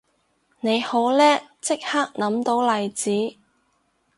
你好叻即刻諗到例子